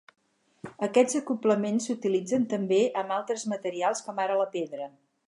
Aquests acoblaments s'utilitzen també amb altres materials com ara la pedra.